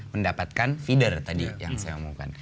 mendapatkan feeder tadi yang saya omongkan